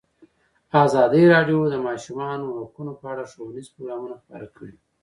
ازادي راډیو د د ماشومانو حقونه په اړه ښوونیز پروګرامونه خپاره کړي.